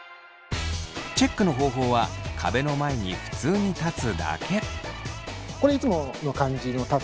チェックの方法は壁の前に普通に立つだけ。